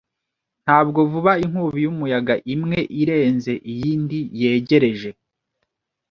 Ntabwo vuba inkubi y'umuyaga imwe irenze iyindi yegereje.